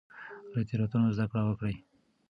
له تېروتنو زده کړه وکړئ.